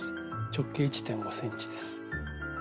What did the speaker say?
直径１．５ｃｍです。